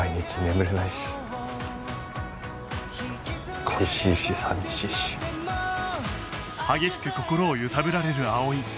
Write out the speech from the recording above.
激しく心を揺さぶられる葵